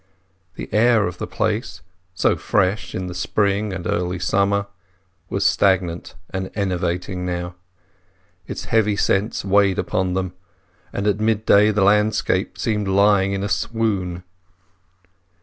The air of the place, so fresh in the spring and early summer, was stagnant and enervating now. Its heavy scents weighed upon them, and at mid day the landscape seemed lying in a swoon.